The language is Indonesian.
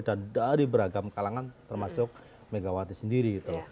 dan dari beragam kalangan termasuk megawati sendiri gitu